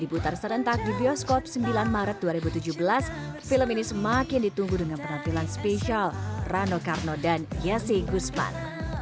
diputar serentak di bioskop sembilan maret dua ribu tujuh belas film ini semakin ditunggu dengan penampilan spesial rano karno dan yesi gusman